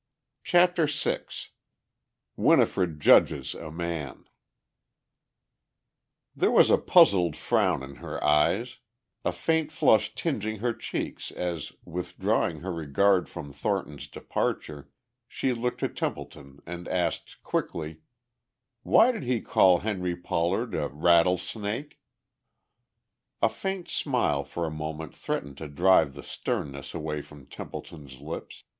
CHAPTER VI WINIFRED JUDGES A MAN There was a puzzled frown in her eyes, a faint flush tingeing her cheeks as, withdrawing her regard from Thornton's departure, she looked to Templeton and asked quickly: "Why did he call Henry Pollard a rattlesnake?" A faint smile for a moment threatened to drive the sternness away from Templeton's lips.